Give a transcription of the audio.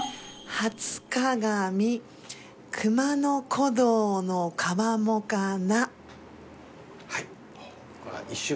「初鏡熊野古道の川面かな」